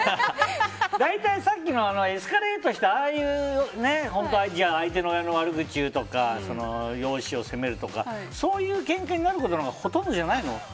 大体、さっきのエスカレートして相手の悪口を言うとか容姿を責めるとかそういうけんかになることがほとんどじゃないの？